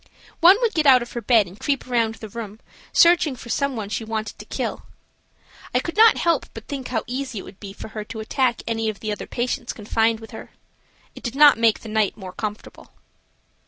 One would get out of her bed and creep around the room searching for some one she wanted to kill. I could not help but think how easy it would be for her to attack any of the other patients confined with her. It did not make the night more comfortable.